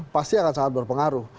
pasti akan sangat berpengaruh